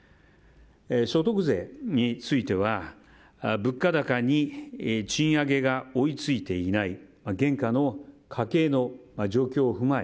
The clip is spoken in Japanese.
所得税については、物価高に賃上げが追い付いていない現下の家計の状況を踏まえ